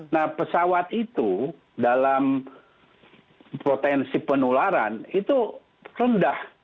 nah pesawat itu dalam potensi penularan itu rendah